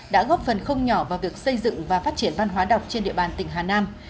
đã góp phần không nhỏ vào việc xây dựng và phát triển văn hóa đọc trên địa bàn tỉnh hà nam